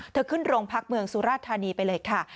ขึ้นโรงพักเมืองสุราธานีไปเลยค่ะ